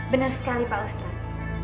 benar sekali pak ustadz